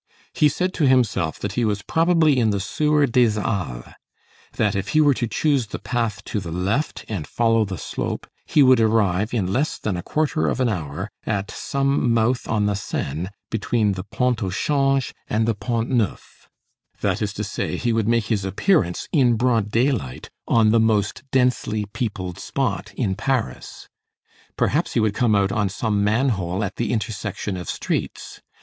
He said to himself that he was probably in the sewer des Halles; that if he were to choose the path to the left and follow the slope, he would arrive, in less than a quarter of an hour, at some mouth on the Seine between the Pont au Change and the Pont Neuf, that is to say, he would make his appearance in broad daylight on the most densely peopled spot in Paris. Perhaps he would come out on some man hole at the intersection of streets.